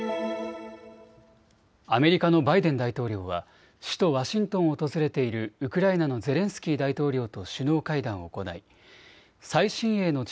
アメリカのバイデン大統領は首都ワシントンを訪れているウクライナのゼレンスキー大統領と首脳会談を行い最新鋭の地